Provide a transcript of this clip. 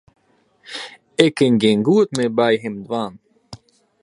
Ik kin gjin goed mear by him dwaan.